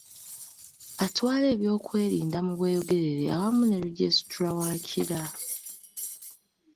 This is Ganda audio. Atwala ebyokwerinda mu Bweyogerere awamu ne Registrar wa Kira.